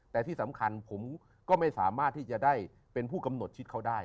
แต่ที่สำคัญผมก็ไม่สามารถที่จะได้เป็นผู้กำหนดชิดเขาได้